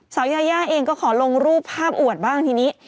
สาวยายาเองก็ขอลงรูปภาพอวดบ้างทีนี้